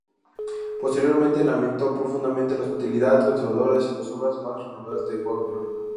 Posteriormente lamentó profundamente la hostilidad conservadora hacia las obras más renovadoras de Wagner.